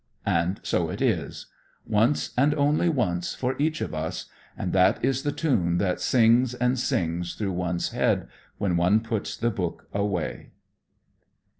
And so it is; once, and only once, for each of us; and that is the tune that sings and sings through one's head when one puts the book away.